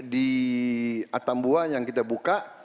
di atambua yang kita buka